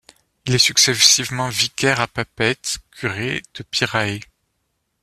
Il est successivement vicaire à Papeete, curé de Pirae.